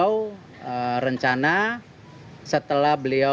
ya kalau udah ada mapnya